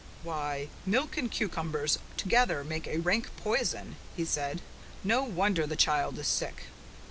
"Why, milk and cucumbers together make a rank poison," he said. "No wonder the child is sick.